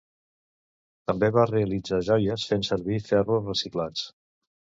També va realitzar joies fent servir ferros reciclats.